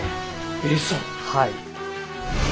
はい。